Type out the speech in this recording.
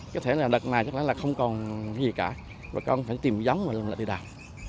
có thể là đợt này chắc là không còn gì cả bà con phải tìm giống và làm lại đều đào